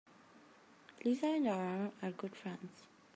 Lisa and I are good friends.